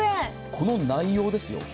この内容ですよ。